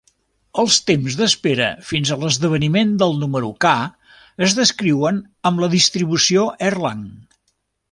Els temps d'espera fins a l'esdeveniment del número k es descriuen amb la distribució Erlang.